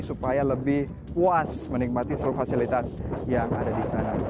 supaya lebih puas menikmati seluruh fasilitas yang ada di sana